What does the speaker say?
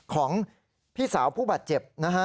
ของพี่สาวผู้บาดเจ็บ